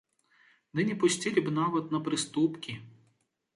Ды не пусцілі б нават на прыступкі!